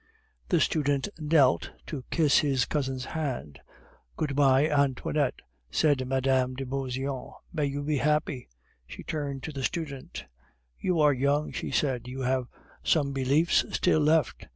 The student knelt to kiss his cousin's hand. "Good bye, Antoinette!" said Mme. de Beauseant. "May you be happy." She turned to the student. "You are young," she said; "you have some beliefs still left.